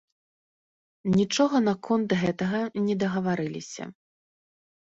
Нічога наконт гэтага не дагаварыліся.